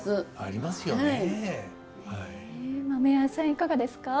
いかがですか？